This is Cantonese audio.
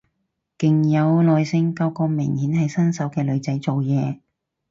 勁有耐性教個明顯係新手嘅女仔做嘢